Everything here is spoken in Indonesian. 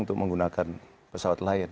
untuk menggunakan pesawat lion